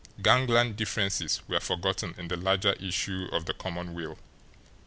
Gangland differences were forgotten in the larger issue of the common weal.